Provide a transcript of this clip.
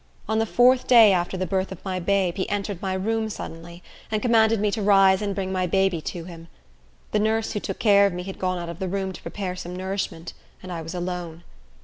On the fourth day after the birth of my babe, he entered my room suddenly, and commanded me to rise and bring my baby to him. The nurse who took care of me had gone out of the room to prepare some nourishment, and I was alone.